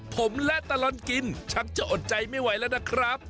ผมและตลอดกินชักจะอดใจไม่ไหวแล้วนะครับ